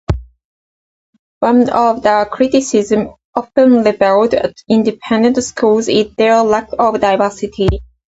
One of the criticisms often leveled at independent schools is their lack of diversity.